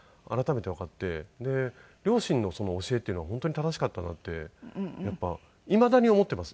で両親の教えっていうのは本当に正しかったなってやっぱりいまだに思っています。